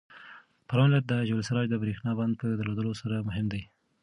پروان ولایت د جبل السراج د برېښنا بند په درلودلو سره مهم دی.